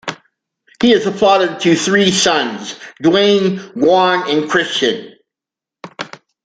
He is the father to three sons, Duane, Gawen and Christian.